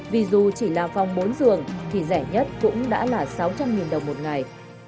vì dù chỉ là phòng bốn giường thì rẻ nhất cũng đã là sáu trăm linh đồng một ngày